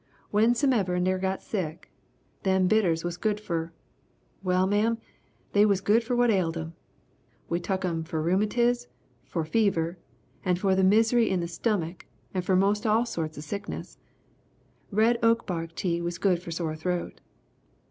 Whensomever a nigger got sick, them bitters was good for well ma'am, they was good for what ailed 'em! We tuk 'em for rheumatiz, for fever, and for the misery in the stummick and for most all sorts of sickness. Red oak bark tea was good for sore throat.